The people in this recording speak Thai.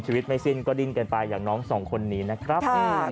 ชีวิตไม่สิ้นก็ดิ้นกันไปอย่างน้องสองคนนี้นะครับ